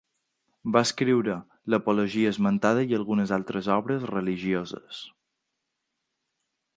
Va escriure l'apologia esmentada i algunes altres obres religioses.